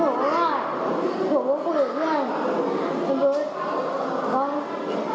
ครูเบิร์ตที่เขาเอาต่อจากเราไป